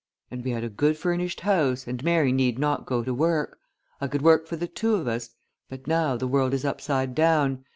"And we had a good furnished house, and Mary need not go to work. I could work for the two of us; but now the world is upside down.